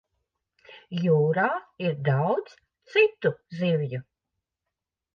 Jūrā ir daudz citu zivju.